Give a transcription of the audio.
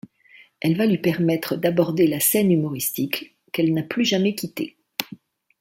Elle va lui permettre d'aborder la scène humoristique qu'elle n'a plus jamais quitté.